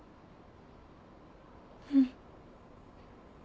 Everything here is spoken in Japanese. うん。